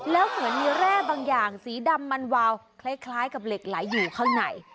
แล้วเหมือนมีแร่บางอย่างสีดำมันวาวคล้ายกับเหล็กไหลอยู่ข้างใน